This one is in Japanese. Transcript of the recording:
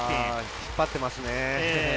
引っ張っていますね。